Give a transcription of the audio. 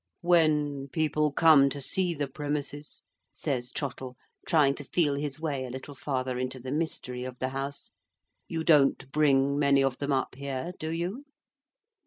"When people come to see the premises," says Trottle, trying to feel his way a little farther into the mystery of the House, "you don't bring many of them up here, do you?"